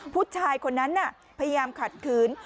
ผู้ชายคนนั้นพยายามขัดขืน